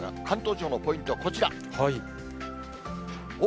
関東地方のポイント、こちら。